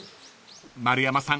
［丸山さん